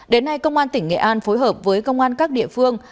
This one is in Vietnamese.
đến nay công an tỉnh nghệ an phối hợp với công an các địa phương